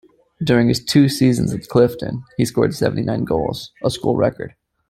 During his two seasons at Clifton, he scored seventy-nine goals, a school record.